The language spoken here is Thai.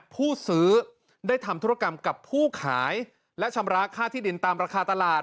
ผู้ซื้อได้ทำธุรกรรมกับผู้ขายและชำระค่าที่ดินตามราคาตลาด